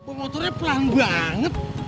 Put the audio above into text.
bu motornya pelan banget